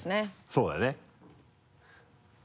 そうだよね。